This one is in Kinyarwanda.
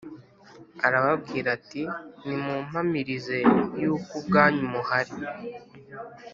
arababwira ati Nimumpamirize yuko ubwanyu muhari